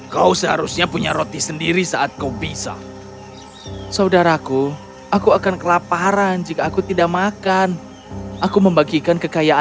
kau seharusnya punya roti sendiri saat kau bisa